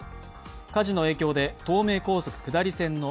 火事の影響で東名高速下り線の